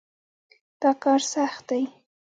دا کار سخت دی.